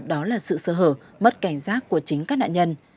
đó là sự sơ hở mất cảnh giác của chính các nạn nhân